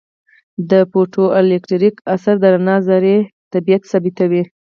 د فوټو الیټکریک اثر د رڼا ذروي طبیعت ثابتوي.